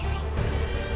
ide istanaja serta hidup